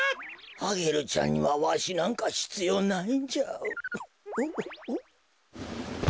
アゲルちゃんにはわしなんかひつようないんじゃ。